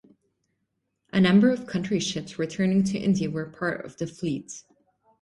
A number of country ships returning to India were part of the fleet.